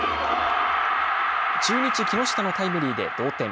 中日、木下のタイムリーで同点。